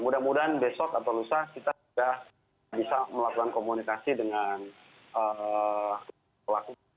mudah mudahan besok atau lusa kita sudah bisa melakukan komunikasi dengan pelaku